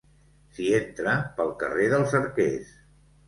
S'hi entra pel carrer dels Arquers.